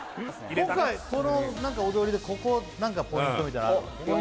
今回この何か踊りでここ何かポイントみたいなのあるわけ？